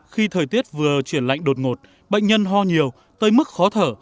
khi thời tiết vừa chuyển lạnh đột ngột bệnh nhân ho nhiều tới mức khó thở